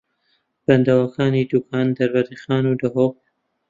بەنداوەکانی دووکان، دەربەندیخان و دهۆک